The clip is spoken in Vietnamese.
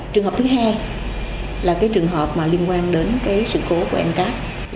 trường hợp thứ hai là trường hợp liên quan đến sự cố của em cát